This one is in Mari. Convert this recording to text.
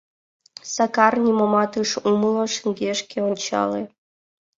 Сакар нимомат ыш умыло, шеҥгекше ончале.